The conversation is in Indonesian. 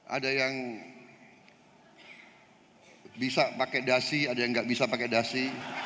ada yang bisa pakai dasi ada yang nggak bisa pakai dasi